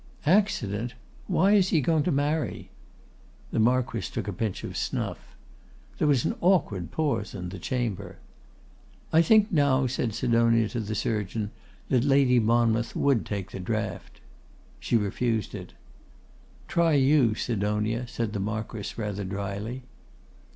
'Accident! Why is he going to marry?' The Marquess took a pinch of snuff. There was an awkward pause in the chamber. 'I think now,' said Sidonia to the surgeon, 'that Lady Monmouth would take the draught.' She refused it. 'Try you, Sidonia,' said the Marquess, rather dryly.